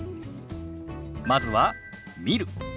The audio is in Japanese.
まずは「見る」。